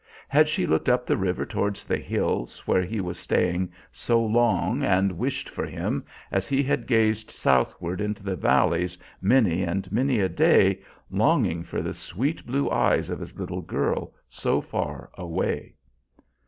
Had she looked up the river towards the hills where he was staying so long and wished for him, as he had gazed southward into the valleys many and many a day, longing for the sweet blue eyes of his little girl so far away?